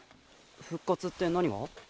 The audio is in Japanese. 復活って何が？